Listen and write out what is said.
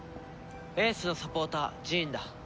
英寿のサポータージーンだ。